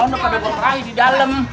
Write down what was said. nggak ada beratung di dalam